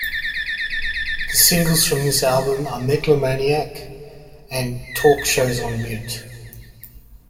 The singles from this album are "Megalomaniac" and "Talk Shows on Mute".